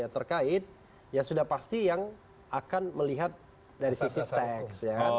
terkait ya sudah pasti yang akan melihat dari sisi teks